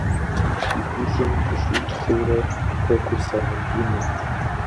Си гущӏэм къыщӏитхъыурэ хэкур сагъэбгынэ.